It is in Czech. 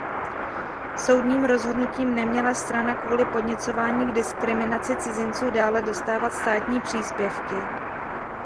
Soudním rozhodnutím neměla strana kvůli podněcování k diskriminaci cizinců dále dostávat státní příspěvky.